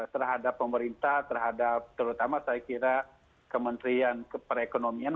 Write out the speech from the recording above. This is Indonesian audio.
terhadap pemerintah terhadap terutama saya kira kementerian perekonomian